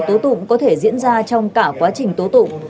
tố tụng có thể diễn ra trong cả quá trình tố tụng